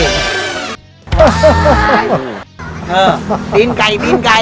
เออตีนไก่